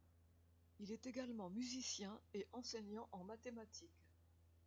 Il est également musicien et enseignant en mathématiques.